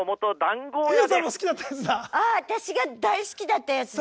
私が大好きだったやつだ！